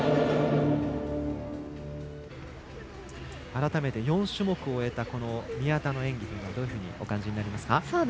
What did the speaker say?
改めて４種目終えた宮田の演技というのはどういうふうにお感じになりますか？